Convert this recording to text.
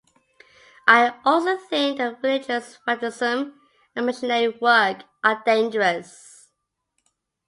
I also think that religious fanaticism and missionary work are dangerous.